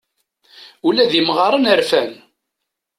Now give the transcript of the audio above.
Ula d imɣaren rfan.